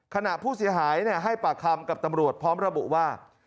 ขณะผู้เสียหายให้ปากคำกับตำรวจพร้อมระบุว่า